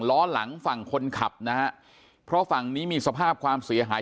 ล้อหลังฝั่งคนขับนะฮะเพราะฝั่งนี้มีสภาพความเสียหาย